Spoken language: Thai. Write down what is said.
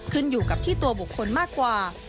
ขึ้นอยู่กับที่ตัวบุคคลมากกว่า